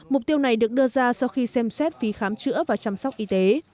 mục tiêu này được đưa ra sau khi xem xét phí khám chữa và chăm sóc y tế